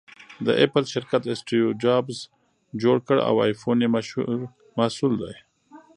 د اپل شرکت اسټیوجابز جوړ کړ٬ او ایفون یې مشهور محصول دی